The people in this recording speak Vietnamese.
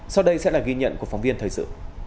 sau đây sẽ là ghi nhận của phóng viên thời sự